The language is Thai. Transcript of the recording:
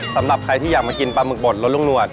สำหรับใครที่อยากมากินปลาหมึกบดรสลุงนวด